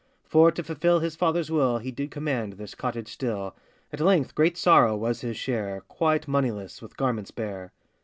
For, to fulfil his father's will, He did command this cottage still: At length great sorrow was his share, Quite moneyless, with garments bare.